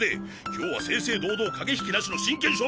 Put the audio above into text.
今日は正々堂々駆け引きなしの真剣勝負！